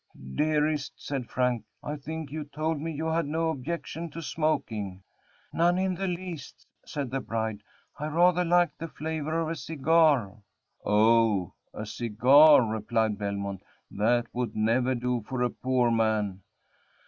"Dearest," said Frank, "I think you told me you had no objection to smoking?" "None in the least," said the bride; "I rather like the flavor of a cigar." "O, a cigar!" replied Belmont; "that would never do for a poor man."